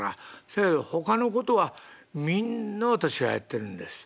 せやけどほかのことはみんな私がやってるんです。